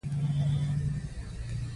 دوی مجبور وو چې په وړیا ډول کار وکړي.